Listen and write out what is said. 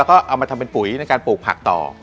แล้วก็เอามาทำเป็นปุ๋ยในการปลูกผักต่อ